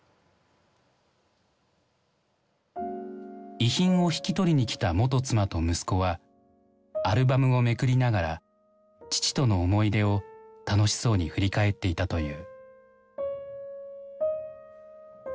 遺品を引き取りにきた元妻と息子はアルバムをめくりながら父との思い出を楽しそうに振り返っていたという。